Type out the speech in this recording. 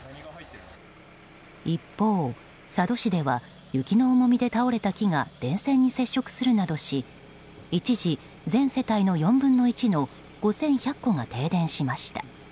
一方、佐渡市では雪の重みで倒れた木が電線に接触するなどし一時、全世帯の４分の１の５１００戸が停電しました。